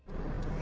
え！